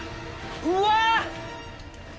うわ！